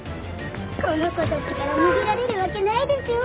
この子たちから逃げられるわけないでしょう！